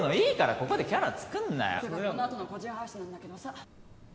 ここでキャラ作んなよ。ってかこのあとの個人配信なんだけどさ。